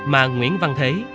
mà nguyễn văn thế